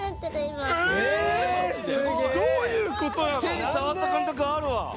手で触った感覚あるわ。